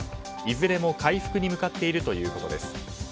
いずれも回復に向かっているということです。